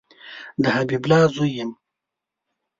د حبیب الله زوی یم